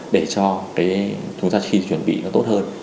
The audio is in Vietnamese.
để cho chúng ta khi chuẩn bị nó tốt hơn